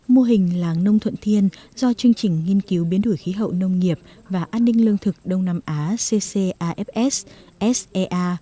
mô hình làng nông thuận thiên do chương trình nghiên cứu biến đổi khí hậu nông nghiệp và an ninh lương thực đông nam á ccafs sea